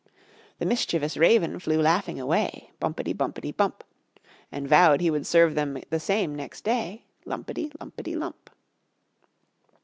The mischievous raven flew laughing away, Bumpety, bumpety, bump, And vowed he would serve them the same next day, Lumpety, lumpety, lump.